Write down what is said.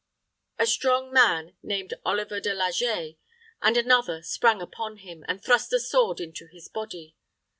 A strong man, named Oliver de Laget and another sprang upon him, and thrust a sword into his body.